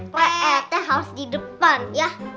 pak ranti harus di depan ya